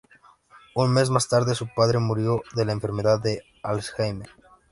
Un mes más tarde su padre murió de la enfermedad de Alzheimer.